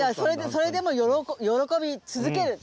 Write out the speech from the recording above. それでも喜び続けるっていう。